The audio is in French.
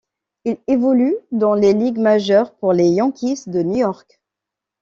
Il évolue dans les Ligues majeures pour les Yankees de New York.